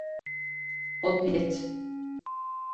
— Подлец...